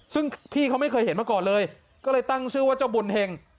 ซึ่งพี่เขาไม่เคยเห็นมาก่อนเลยก็เลยตั้งชื่อว่าเจ้าบุญเห็ง